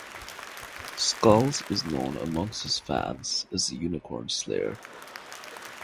Schulz is known amongst his fans as the unicorn slayer.